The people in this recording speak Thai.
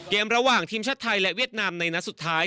ระหว่างทีมชาติไทยและเวียดนามในนัดสุดท้าย